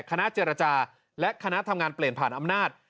คณะเจรจาและคณะทำงานเปลี่ยนผ่านอำนาจ